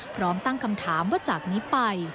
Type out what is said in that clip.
พร้อมตั้งคำถามว่าจากนี้ไป